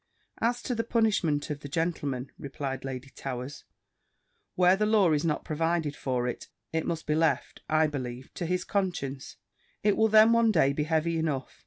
"As to the punishment of the gentleman," replied Lady Towers, "where the law is not provided for it, it must be left, I believe, to his conscience. It will then one day be heavy enough.